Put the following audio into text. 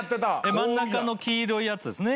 真ん中の黄色いやつですね。